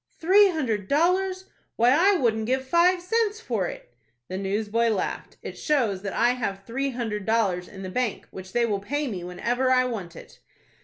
"Three hundred dollars! Why, I wouldn't give five cents for it." The newsboy laughed. "It shows that I have three hundred dollars in the bank, which they will pay me whenever I want it."